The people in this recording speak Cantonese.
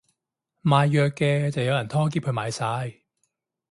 賣藥嘅就有人拖喼去買晒